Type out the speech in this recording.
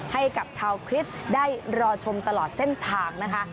ให้กับชาวคริสต์ได้รอชมตลอดเส้นทางนะคะ